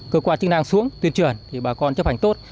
cơ quan chức năng xuống tuyên truyền thì bà con chấp hành tốt